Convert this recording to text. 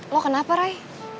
lo kenapa rai